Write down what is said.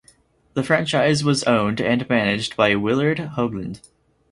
The franchise was owned and managed by Willard Hoagland.